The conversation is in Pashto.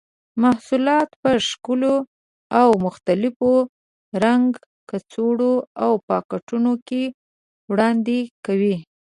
محصولات په ښکلو او مختلفو رنګه کڅوړو او پاکټونو کې وړاندې کوي.